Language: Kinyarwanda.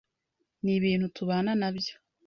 Ni ibintu tubana nabyo